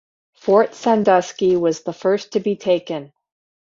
Fort Sandusky was the first to be taken.